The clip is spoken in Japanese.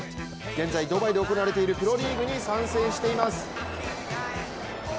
現在、ドバイで行われているプロリーグに参戦しています。